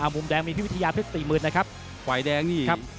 มุมแดงมีพี่วิทยาเพชรสี่หมื่นนะครับฝ่ายแดงนี่ครับ